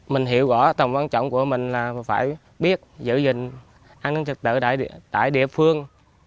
mình hiểu rõ tầm quan trọng của mình là phải biết giữ gìn an ninh trật tự tại địa phương